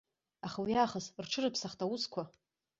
Аха уи аахыс рҽырыԥсахт аусқәа.